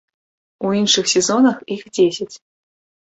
У іншых сезонах іх дзесяць.